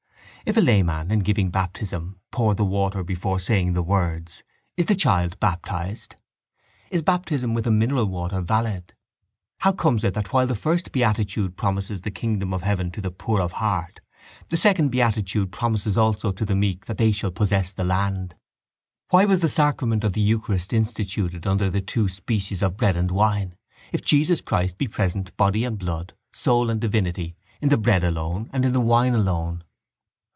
If a layman in giving baptism pour the water before saying the words is the child baptised? Is baptism with a mineral water valid? How comes it that while the first beatitude promises the kingdom of heaven to the poor of heart, the second beatitude promises also to the meek that they shall possess the land? Why was the sacrament of the eucharist instituted under the two species of bread and wine if Jesus Christ be present body and blood, soul and divinity, in the bread alone and in the wine alone?